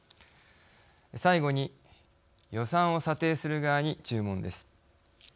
最後に予算を査定する側に注文です。